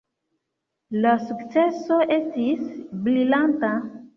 La sukceso estis brilanta.